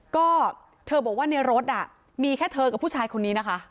ก็เธอบอกว่าในรถมีแค่เธอกับผู้ชายคนนี้นะคะ